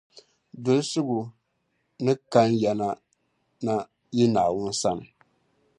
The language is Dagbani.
Dolisigu ni kan ya na n yi Naawuni sani